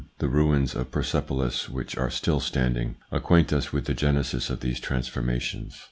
The ruins of Persepolis, which are still standing, acquaint us with the genesis of these transformations.